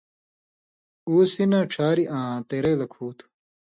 اُو سی نہ ڇھاری آں تېرئ لک ہو تھُو۔